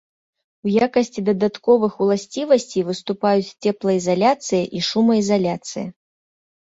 У якасці дадатковых уласцівасцей выступаюць цеплаізаляцыя і шумаізаляцыя.